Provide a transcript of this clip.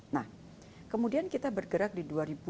nah kemudian kita bergerak di dua ribu dua puluh